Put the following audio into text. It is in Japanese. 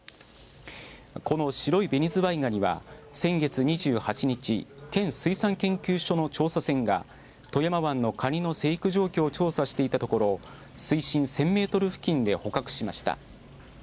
この白いベニズワイガニは先月２８日県水産研究所の調査船が富山湾のカニの生育状況を調査していたところ水深１０００メートル付近で捕獲しました。